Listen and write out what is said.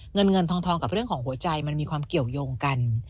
เงินเงินทองกับเรื่องของหัวใจมันมีความเกี่ยวยงกัน